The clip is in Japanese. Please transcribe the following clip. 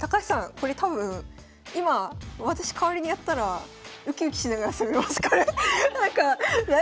これ多分今私代わりにやったらウキウキしながら攻めますこれ。